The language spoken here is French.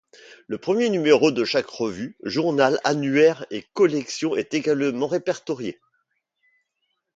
Le premier numéro de chaque revue, journal, annuaire et collection est également répertorié.